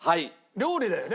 料理だよね？